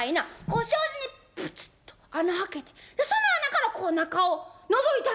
こう障子にプツッと穴開けてその穴からこう中をのぞいたってん」。